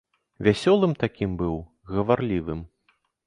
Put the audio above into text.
Вясёлым такім быў, гаварлівым.